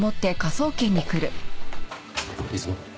いつもの。